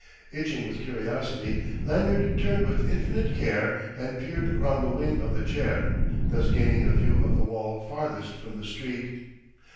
Itching with curiosity, Lanyard turned with infinite care and peered round the wing of the chair, thus gaining a view of the wall farthest from the street.